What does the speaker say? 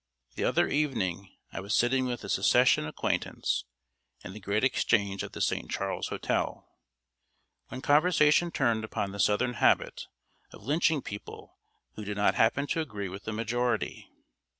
The other evening, I was sitting with a Secession acquaintance, in the great exchange of the St. Charles Hotel, when conversation turned upon the southern habit of lynching people who do not happen to agree with the majority.